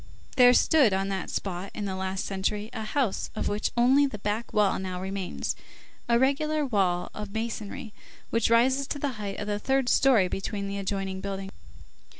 There stood on that spot, in the last century, a house of which only the back wall now remains, a regular wall of masonry, which rises to the height of the third story between the adjoining buildings.